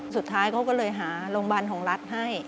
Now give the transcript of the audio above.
สุดท้ายเขาก็เลยหาโรงพยาบาลของรัฐให้